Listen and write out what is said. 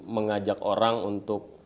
mengajak orang untuk